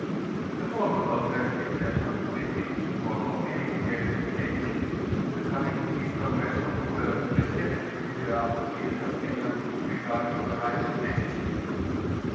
The former alternative does not, we think, call for anj^ detailed refutation. The coming peace congress of the world will definitively clear up the future of Finland with regard to the Right of Nations.